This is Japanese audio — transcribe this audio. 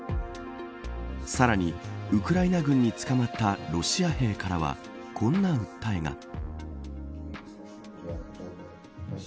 さらに、ウクライナ軍に捕まったロシア兵からはこんな訴えが。